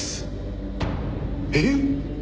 えっ！？